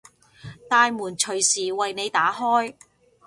大門隨時為你打開